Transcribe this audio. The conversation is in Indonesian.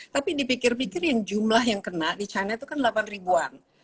tapi dipikir pikir yang jumlah yang kena di china itu kan delapan ribuan